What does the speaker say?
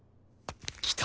来た！